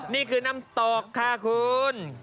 นี่คือน้ำตกค่ะคุณ